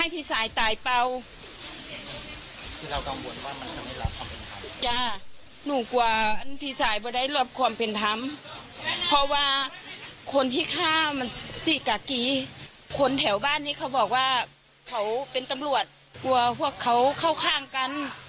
เพราะว่าพวกเขาเข้าข้างกัน